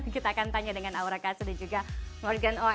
kita akan tanya dengan aura kasu dan juga morgan oi